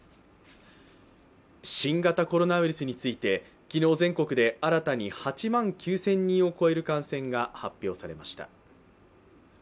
新型コロナウイルスについて昨日、全国で新たに８万９０００人を超える感染が発表されました。